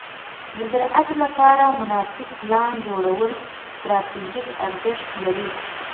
د زراعت لپاره مناسب پلان جوړول ستراتیژیک ارزښت لري.